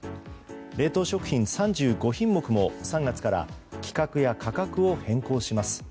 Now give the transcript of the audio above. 冷凍食品３５品目も３月から規格や価格を変更します。